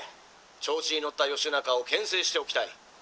調子に乗った義仲を牽制しておきたい。